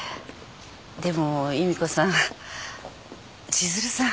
でも夕美子さん千鶴さん